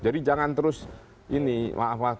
jadi jangan terus ini maaf lah